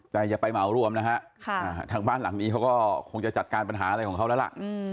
แต่อย่าไปเหมารวมนะฮะทางบ้านหลังนี้เขาก็คงจะจัดการปัญหาอะไรของเขาแล้วล่ะ